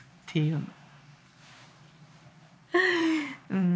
うん。